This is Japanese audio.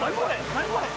何これ？